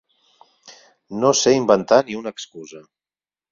No sé inventar ni una excusa.